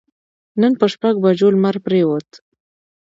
نن پر شپږ بجو لمر پرېوت.